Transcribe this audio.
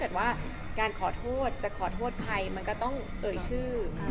ถ้าการขอโทษจะขอโทษใครก็ต้องเอยชื่อ